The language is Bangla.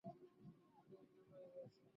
তুমি দুটোই হয়েছ।